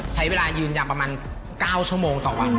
ใช้เวลายืนยาวประมาณ๙ชั่วโมงต่อวัน